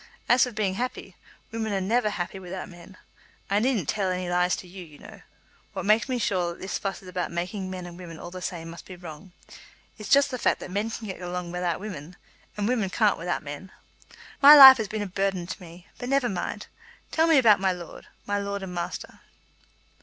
As for being happy, women are never happy without men. I needn't tell any lies to you, you know. What makes me sure that this fuss about making men and women all the same must be wrong, is just the fact that men can get along without women, and women can't without men. My life has been a burthen to me. But never mind. Tell me about my lord; my lord and master."